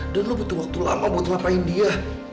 dan lo butuh waktu lama buat ngapain dia